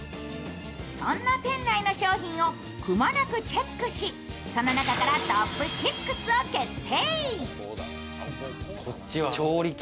そんな店内の商品をくまなくチェックしその中からトップ６を決定。